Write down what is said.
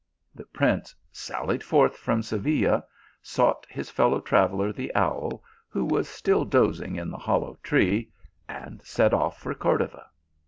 The prince sallied forth from Seville, sought his fellow traveller the owl, who was still dozing in the hollow tree, and set off for Cordova.